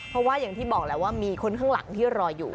เพราะว่าอย่างที่บอกแล้วว่ามีคนข้างหลังที่รออยู่